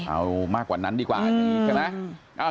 เอามากกว่านั้นดีกว่างั้นสินะ